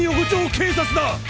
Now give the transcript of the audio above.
警察だ！